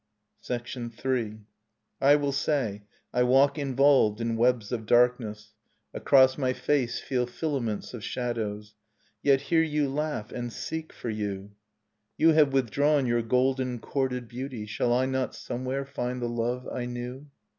; III. I will say : I walk involved in webs of darkness. Across my face feel filaments of shadows, Yet hear you laugh, and seek for you. You have withdrawn your golden chorded beauty Shall I not somewhere find the love I knew?